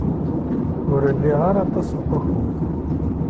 Ur liɣ ara aṭas n wakud.